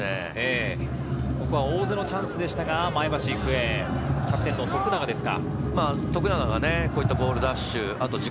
ここは大津のチャンスでしたが、前橋育英、キャプテンの徳永ですか。